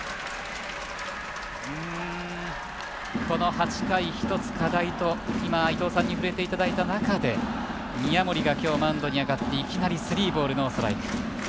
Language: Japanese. ８回、一つ課題と伊東さんに触れていただいた中で宮森が今日、マウンドに上がっていきなりスリーボールノーストライク。